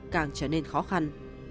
càng trở nên khó khăn